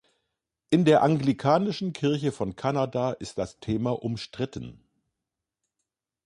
In der Anglikanische Kirche von Kanada ist das Thema umstritten.